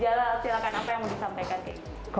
silahkan apa yang mau disampaikan